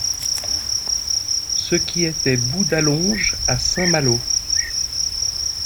Ce qui était bout d’alonge à Saint-Malo